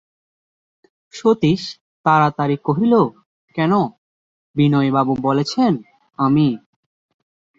সতীশ তাড়াতাড়ি কহিল, কেন, বিনয়বাবু বলেছেন, আমি।